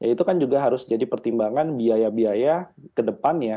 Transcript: itu kan juga harus jadi pertimbangan biaya biaya ke depannya